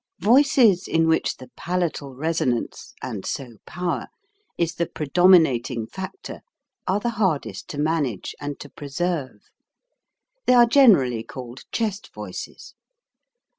Voices in which the palatal resonance and so, power is the predominating fac tor are the hardest to manage and to pre serve. They are generally called chest voices.